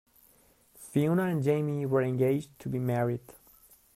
Fiona and Jamie were engaged to be married.